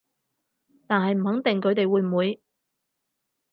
但係唔肯定佢哋會唔會